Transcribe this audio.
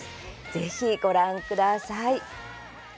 ぜひ、ご覧ください。